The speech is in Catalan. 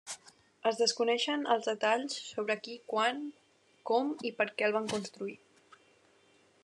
Es desconeixen els detalls sobre qui, quan, com i per què el van construir.